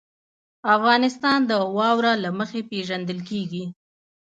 افغانستان د واوره له مخې پېژندل کېږي.